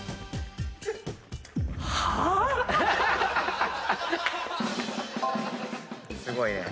はぁ⁉すごいね。